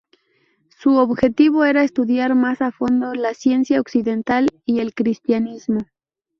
Su objetivo era estudiar más a fondo la ciencia occidental y el cristianismo.